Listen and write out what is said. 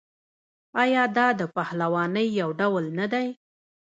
آیا دا د پهلوانۍ یو ډول نه دی؟